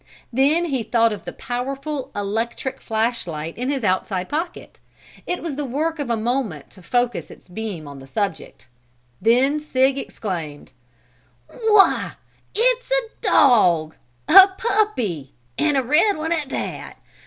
Then he thought of the powerful electric flashlight in his outside pocket. It was the work of a moment to focus its beams on the subject. Then Sig exclaimed: "Why, it's a dog! A puppy, and a red one at that!